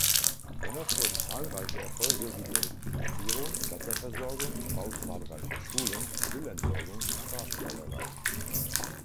Dennoch wurden zahlreiche Erfolge wie die Elektrifizierung, Wasserversorgung, Bau zahlreicher Schulen, Müllentsorgung, Straßenbau erreicht.